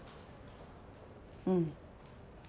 うん。